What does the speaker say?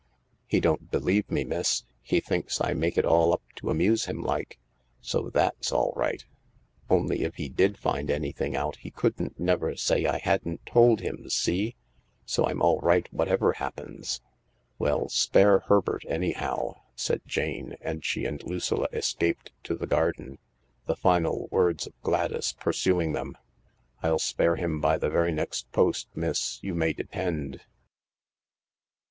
" He don't believe me, miss ! He thinks I make it all up to amuse him like. So that's all right. Only if he did find anything out he couldn't never say I hadn't told him, see ? So I'm all right whatever happens." "Well; spare Herbert, anyhow," said Jane, and she and Lucilla escaped to the garden, the final words of Gladys pursuing them :" I'll spare him by the very next post, miss, you may depend."